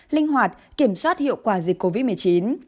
linh hoạt kiểm soát hiệu quả dịch covid một mươi chín